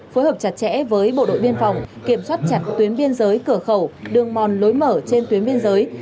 phối hợp chặt chẽ với bộ đội biên phòng kiểm soát chặt tuyến biên giới cửa khẩu đường mòn lối mở trên tuyến biên giới